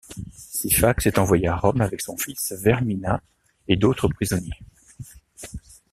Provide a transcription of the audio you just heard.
Syphax est envoyé à Rome avec son fils Vermina et d'autres prisonniers.